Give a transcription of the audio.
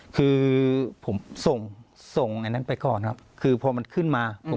คือผมส่งส่งอันนั้นไปก่อนครับคือพอมันขึ้นมาผม